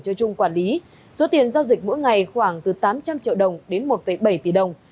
cho trung quản lý số tiền giao dịch mỗi ngày khoảng từ tám trăm linh triệu đồng đến một bảy tỷ đồng